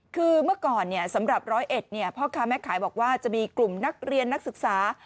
คือเมื่อก่อนสำหรับร้อยเอ็ดพ่อค้าแม่ขายบอกว่าจะมีกลุ่มนักเรียนนักศึกษา